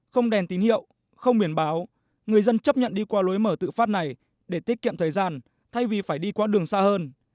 không đèn tín hiệu không biển báo người dân chấp nhận đi qua lối mở tự phát này để tiết kiệm thời gian thay vì phải đi qua đường xa hơn